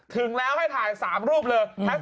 ถึงแล้วให้ถ่าย๓รูปเลย